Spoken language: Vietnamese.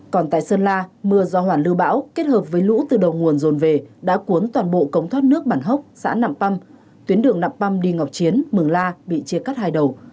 còn tại sơn la mưa do hoàn lưu bão kết hợp với lũ từ đầu nguồn rồn về đã cuốn toàn bộ cống thoát nước bản hốc xã nạm păm tuyến đường nạm păm đi ngọc chiến mường la bị chia cắt hai đầu